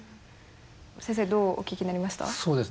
先生どうお聞きになりました？